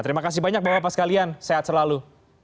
terima kasih banyak bapak bapak sekalian sehat selalu